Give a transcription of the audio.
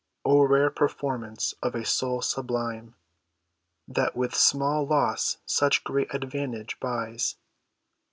O rare performance of a soul sublime, That with small loss such great advantage buys!